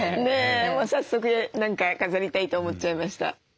ねえもう早速何か飾りたいと思っちゃいました。